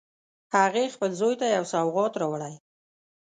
هغې خپل زوی ته یو سوغات راوړی